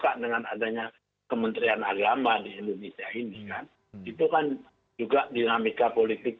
karena dengan adanya kementerian agama di indonesia ini kan itu kan juga dinamika politik